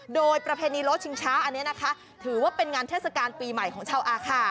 โดยประเพณีโลชิงช้าอันนี้นะคะถือว่าเป็นงานเทศกาลปีใหม่ของชาวอาคา